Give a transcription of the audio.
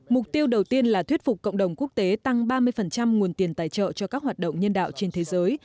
mục tiêu đầu tiên là thuyết phục cộng đồng quốc tế tăng ba mươi nguồn tiền tài trợ cho các hoạt động nhân đạo trên thế giới